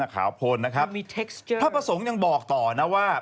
ขาวพลนะครับพระประสงค์ยังบอกต่อนะว่า